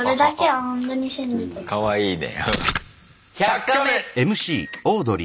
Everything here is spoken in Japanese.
かわいいね。